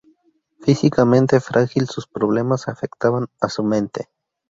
Físicamente frágil, sus problemas afectaban a su mente.